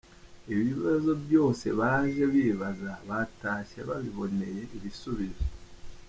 Ibibazo byose baje bibaza batashye babiboneye ibisubizo.